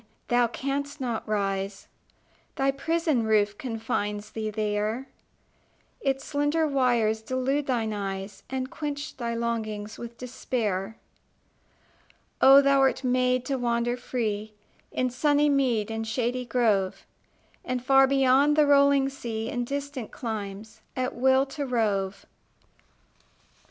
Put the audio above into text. Thou canst not rise: Thy prison roof confines thee there; Its slender wires delude thine eyes, And quench thy longings with despair. Oh, thou wert made to wander free In sunny mead and shady grove, And far beyond the rolling sea, In distant climes, at will to rove!